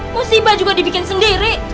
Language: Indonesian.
musibah juga dibikin sendiri